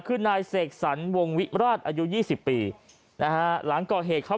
คือนายเสกสรรวงวิราชอายุยี่สิบปีนะฮะหลังก่อเหตุเขา